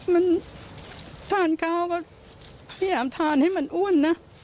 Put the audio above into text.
มันทานข้าวก็พยายามทานให้มันอ้วนนะ